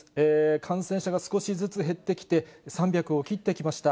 感染者が少しずつ減ってきて、３００を切ってきました。